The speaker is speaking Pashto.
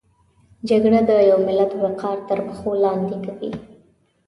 جګړه د یو ملت وقار تر پښو لاندې کوي